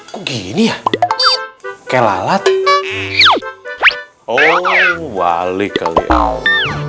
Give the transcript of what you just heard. begini ya kelelat oh wali ke awal